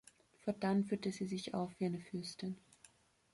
Fortan führte sie sich auf wie eine Fürstin.